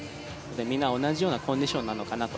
皆、同じようなコンディションなのかなと。